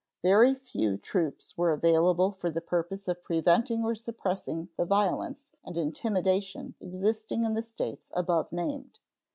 Very few troops were available for the purpose of preventing or suppressing the violence and intimidation existing in the States above named.